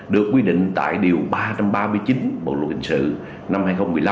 được quy định tại điều ba trăm ba mươi chín bộ luật hình sự năm hai nghìn một mươi năm